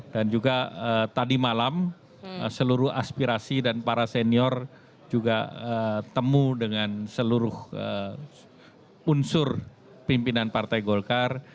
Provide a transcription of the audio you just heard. dan juga tadi malam seluruh aspirasi dan para senior juga temu dengan seluruh unsur pimpinan partai golkar